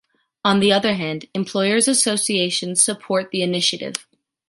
On the other hand, employers’ associations support the initiative.